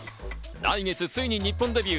来月ついに日本デビュー。